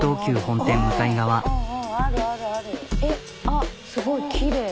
あっすごいきれい。